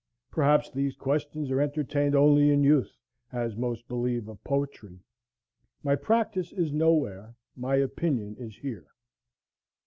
Perhaps these questions are entertained only in youth, as most believe of poetry. My practice is "nowhere," my opinion is here.